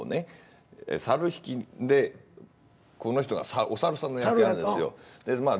猿引でこの人がお猿さんの役やるんですよ。